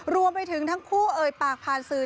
รวมไปถึงทั้งคู่เอ่ยปากผ่านสื่อ